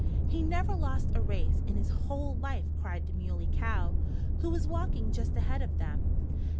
"He never lost a race in his whole life!" cried the Muley Cow, who was walking just ahead of them.